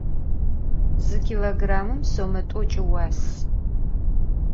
Zı kilogrammım some t'oç' ıuas.